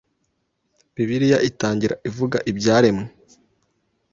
Bibiliya itangira ivuga iby’iremwa